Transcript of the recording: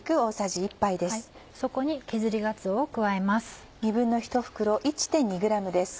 そこに削りがつおを加えます。